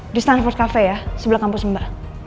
di standford cafe ya sebelah kampus mbak